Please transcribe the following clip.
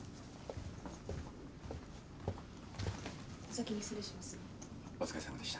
お先に失礼します。